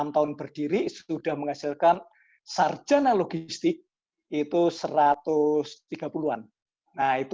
lima enam tahun berdiri sudah menghasilkan sarjana logistik itu satu ratus tiga puluh an